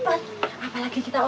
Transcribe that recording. apalagi kita orang perempuan